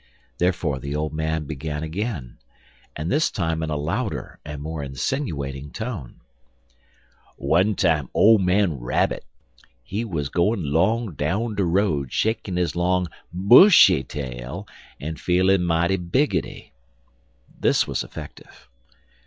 Therefore the old man began again, and this time in a louder and more insinuating tone: "One time ole man Rabbit, he wuz gwine 'long down de road shakin' his long, bushy tail, en feelin' mighty biggity." This was effective.